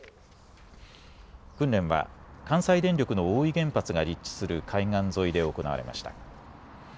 訓練は関西電力の大飯原発が立地する海岸沿いで行われました。